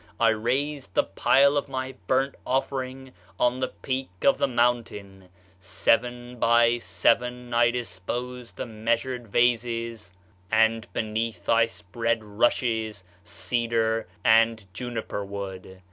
I raised the pile of my burnt offering on the peak of the mountain; seven by seven I disposed the measured vases, and beneath I spread rushes, cedar, and juniper wood.